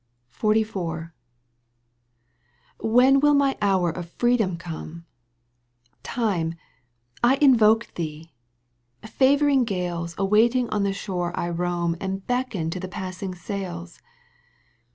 xuv. When will my hour of freedom come !'> Time, I invoke thee ! favouring gales Awaiting on the shore I roam And beckon to the passing sails.